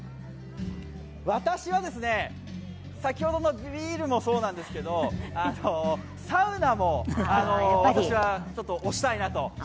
私は先ほどのビールもそうなんですけどサウナも私は推したいなと。